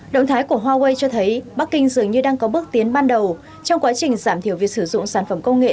động thái của huawei cho thấy bắc kinh dường như đang có bước tiến ban đầu trong quá trình giảm thiểu việc sử dụng sản phẩm công nghệ